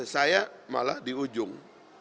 saya malah di ujung